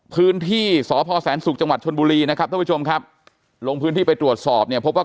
พื้นที่สพแสนศุกร์จชนมุรีนะครับลงพื้นที่ไปตรวจสอบพบว่า